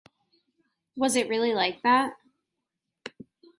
Was it really like that?